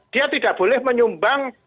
dia tidak boleh menyumbang